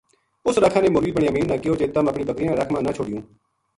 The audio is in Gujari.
اُس راکھا نے مولوی بنیامین نا کہیو جے تم اپنی بکریاں نا رکھ ما نہ چھوڈیو ں